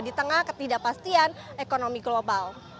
di tengah ketidakpastian ekonomi global